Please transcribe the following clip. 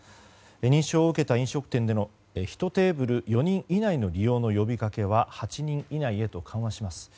認証を受けた飲食店での１テーブル４人以内での利用の呼びかけは８人以内へと緩和します。